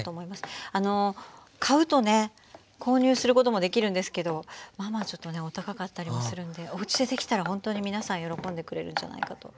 買うとね購入することもできるんですけどまあまあお高かったりもするんでおうちでできたらほんとに皆さん喜んでくれるんじゃないかと思います。